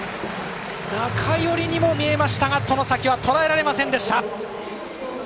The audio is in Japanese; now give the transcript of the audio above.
中寄りにも見えましたが外崎はとらえられませんでした。